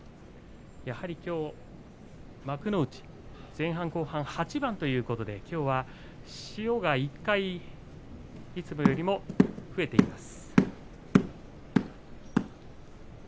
きょう幕内前半後半８番ということできょうは塩が、１回いつもよりも増えています。